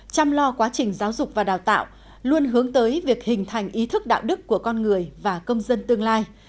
chăm lo quá trình giáo dục và đào tạo luôn hướng tới việc hình thành ý thức đạo đức của con người và công dân tương lai